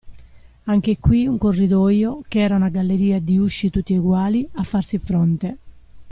Anche qui un corridoio, ch'era una galleria di usci tutti eguali, a farsi fronte.